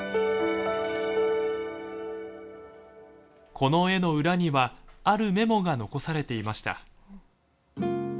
この絵の裏にはあるメモが残されていました。